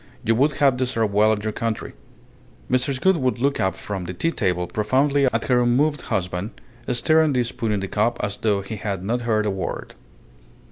you would have deserved well of your country," Mrs. Gould would look up from the tea table profoundly at her unmoved husband stirring the spoon in the cup as though he had not heard a word.